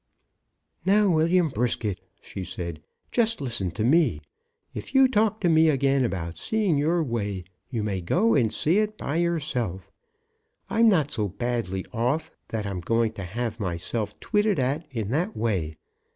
"Now, William Brisket," she said, "just listen to me. If you talk to me again about seeing your way, you may go and see it by yourself. I'm not so badly off that I'm going to have myself twitted at in that way.